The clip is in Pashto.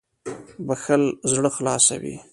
• بښل زړه خلاصوي.